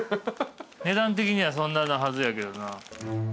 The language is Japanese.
値段的にはそんななはずやけどな。